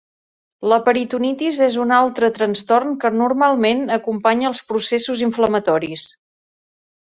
La peritonitis és un altre trastorn que normalment acompanya els processos inflamatoris.